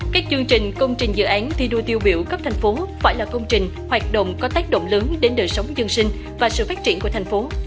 các chương trình công trình dự án thi đua tiêu biểu cấp thành phố phải là công trình hoạt động có tác động lớn đến đời sống dân sinh và sự phát triển của thành phố